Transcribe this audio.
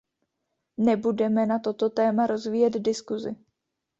Nebudeme na toto téma rozvíjet diskusi.